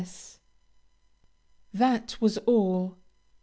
"S." That was all.